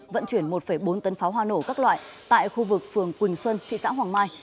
vận chuyển một bốn tấn pháo hoa nổ các loại tại khu vực phường quỳnh xuân thị xã hoàng mai